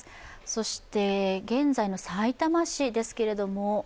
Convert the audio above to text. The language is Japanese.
そして現在のさいたま市ですけれども。